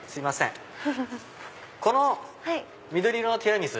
この緑色のティラミス。